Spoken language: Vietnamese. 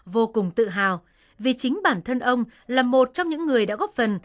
vô cùng tự hào vì chính bản thân ông là một trong những người đã góp phần